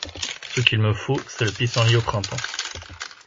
Ce qu'il me faut, c'est le pissenlit au printemps.